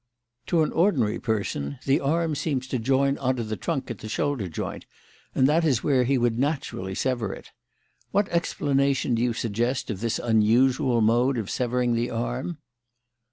To an ordinary person, the arm seems to join on to the trunk at the shoulder joint, and that is where he would naturally sever it. What explanation do you suggest of this unusual mode of severing the arm?"